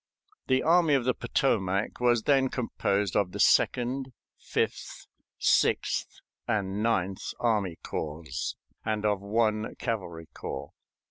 The Army of the Potomac was then composed of the Second, Fifth, Sixth, and Ninth Army Corps, and of one cavalry corps.